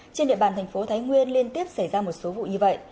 trên địa bàn thành phố thái nguyên liên tiếp xảy ra một số vụ như vậy